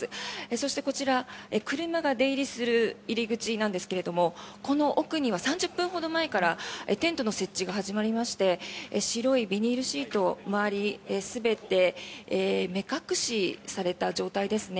そしてこちら車が出入りする入り口なんですがこの奥には３０分ほど前からテントの設置が始まりまして白いビニールシート周り、全て目隠しされた状態ですね。